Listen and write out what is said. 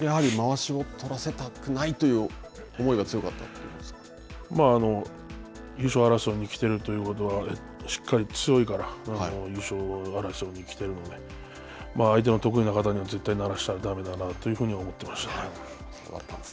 それだけやはりまわしをとらせたくないという優勝争いに来てるということは、しっかり強いから、優勝争いに来てるんで、相手の得意な型には絶対にならしたらだめだなというふうには思っています。